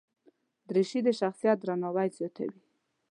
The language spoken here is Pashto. دریشي د شخصیت درناوی زیاتوي.